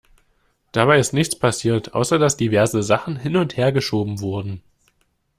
Dabei ist nichts passiert, außer dass diverse Sachen hin- und hergeschoben wurden.